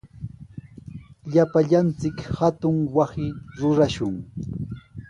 Llapallanchik hatun wasi rurashun.